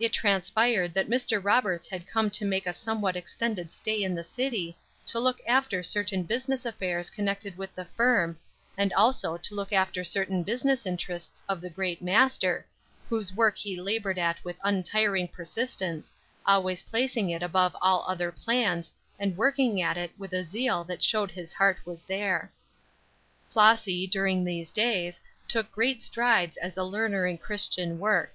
It transpired that Mr. Roberts had come to make a somewhat extended stay in the city, to look after certain business affairs connected with the firm, and also to look after certain business interests of the great Master, whose work he labored at with untiring persistence, always placing it above all other plans, and working at it with a zeal that showed his heart was there. Flossy, during these days, took great strides as a learner in Christian work.